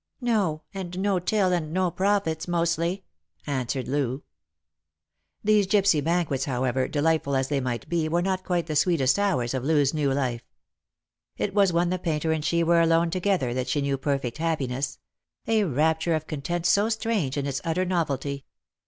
" No ; and no till and no profits, mostly !" answered Loo. Those gipsy banquets, however, delightful as they might be, were not quite the sweetest hours of Loo's new life. It was when the painter and she were alone together that she knew perfect happiness — a rapture of content so strange in its utter novelty.